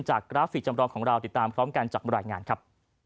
กราฟิกจำลองของเราติดตามพร้อมกันจากบรรยายงานครับ